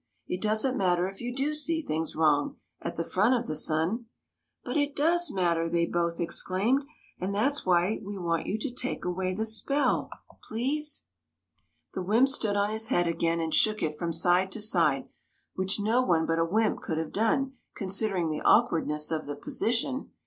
It does n't matter if you do see things wrong — at the front of the sun." " But it does matter !'' they both exclaimed ;" and that 's why we want you to take away the spell, please." 44 THE MAGICIAN'S TEA PARTY The wymp stood on his head again and shook it from side to side, which no one but a wymp could have done, considering the awkwardness of the position.